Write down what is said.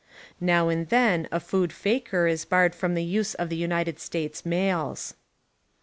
Now and then a food faker is barred from the use of the United States mails.